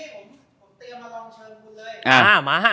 ผมเตรียมมาลองเชิญคุณเลยมาฮะ